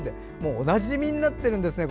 おなじみになっているんですね。